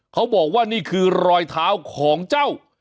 เขาบอกว่านี่คือรอยเท้าของเจ้า